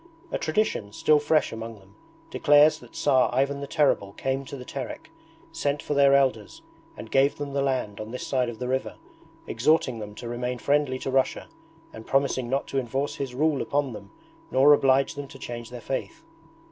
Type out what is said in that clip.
A tradition, still fresh among them, declares that Tsar Ivan the Terrible came to the Terek, sent for their Elders, and gave them the land on this side of the river, exhorting them to remain friendly to Russia and promising not to enforce his rule upon them nor oblige them to change their faith.